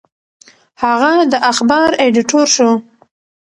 هغه د اخبار ایډیټور شو.